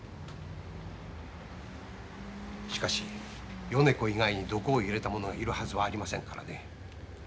しかし米子以外に毒を入れた者がいるはずはありませんからね。